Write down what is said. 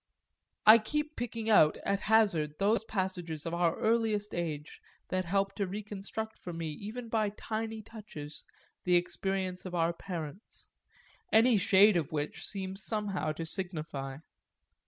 I keep picking out at hazard those passages of our earliest age that help to reconstruct for me even by tiny touches the experience of our parents, any shade of which seems somehow to signify.